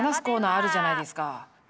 コーナーあるじゃないですか。